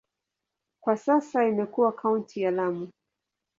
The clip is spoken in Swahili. Kwa sasa imekuwa kaunti ya Lamu.